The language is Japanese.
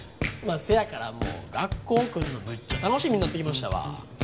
せやからもう学校来るのむっちゃ楽しみになってきましたわ。